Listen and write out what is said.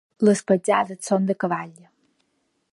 Les petjades són de cavall.